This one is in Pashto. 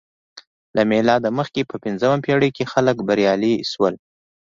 له میلاده مخکې په پنځمه پېړۍ کې خلک بریالي شول